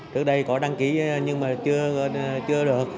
trước đây có đăng ký nhưng mà chưa được